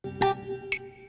jangan terlalu banyak